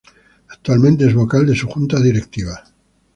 Actualmente es vocal de su Junta directiva.